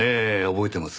覚えてます？